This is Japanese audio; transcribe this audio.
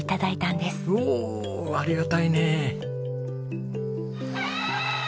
おおありがたいね。